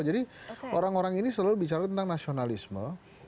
jadi orang orang ini selalu bicara tentang nasionalisme